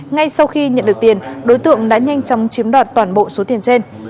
ngay sau khi nhận được tiền đối tượng đã nhanh chóng chiếm đoạt toàn bộ số tiền trên